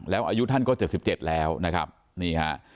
แล้วอายุท่านก็เจ็บสิบเจ็ดแล้วนะครับนี่ฮะ